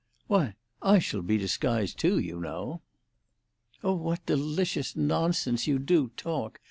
"Why, I shall be disguised too, you know." "Oh, what delicious nonsense you do talk!